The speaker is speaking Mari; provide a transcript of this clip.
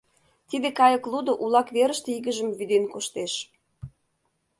Тиде кайык лудо улак верыште игыжым вӱден коштеш.